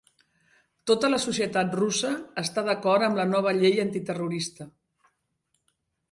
Tota la societat russa està d'acord amb la nova llei antiterrorista